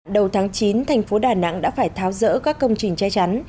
đầu tháng chín thành phố đà nẵng đã phải tháo rỡ các công trình che chắn